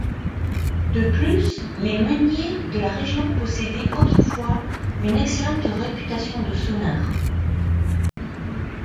De plus, les meuniers de la région possédaient autrefois une excellente réputation de sonneurs.